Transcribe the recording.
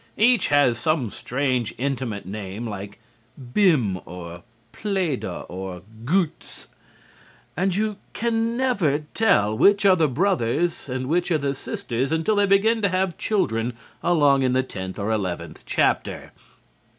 Each has some strange, intimate name like "Bim," or "Pleda," or "Goots," and you can never tell which are the brothers and which the sisters until they begin to have children along in the tenth or eleventh chapter.